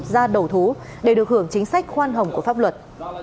ra đầu thú để được hưởng chính sách khoan hồng của pháp luật